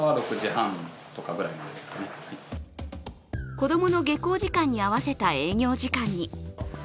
子供の下校時間に合わせた営業時間に。